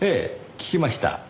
聞きました。